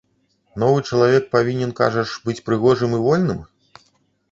Новы чалавек павінен, кажаш, быць прыгожым і вольным?